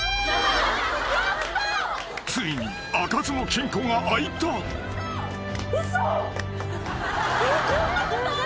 ［ついに］